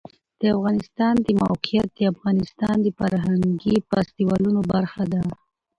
د افغانستان د موقعیت د افغانستان د فرهنګي فستیوالونو برخه ده.